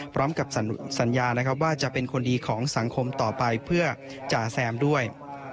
พร้อมกับสัญญานะครับว่าจะเป็นคนดีของสังคมต่อไปเพื่อจ่าแซมด้วย